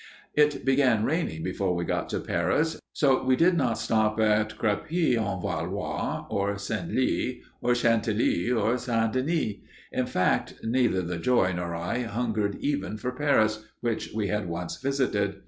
It began raining before we got to Paris, so we did not stop at Crepy en Valois or Senlis, or Chantilly, or St. Denis. In fact, neither the Joy nor I hungered even for Paris, which we had once visited.